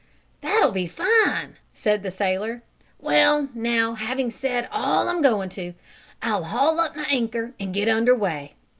"That'll be fine!" said the sailor. "Well, now having said all I'm going to, I'll haul up my anchor and get under way.